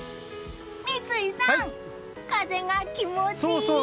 三井さん、風が気持ちいい！